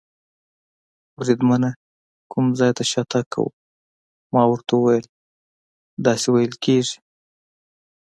بریدمنه، کوم ځای ته شاتګ کوو؟ ما ورته وویل: داسې وېل کېږي.